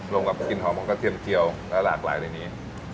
กับกลิ่นหอมของกระเทียมเจียวและหลากหลายในนี้